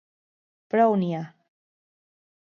Prou n'hi ha!